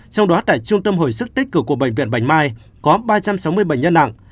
trong đó tại trung tâm hồi sức tích cử của bệnh viện bạch mai có ba trăm sáu mươi bệnh nhân nặng